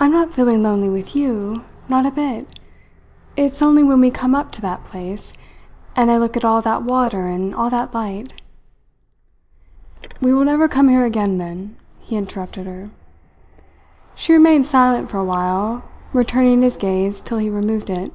"I am not feeling lonely with you not a bit. It is only when we come up to that place, and I look at all that water and all that light " "We will never come here again, then," he interrupted her. She remained silent for a while, returning his gaze till he removed it.